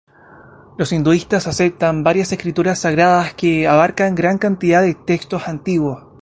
Los hinduistas aceptan varias escrituras sagradas, que abarcan gran cantidad de textos antiguos.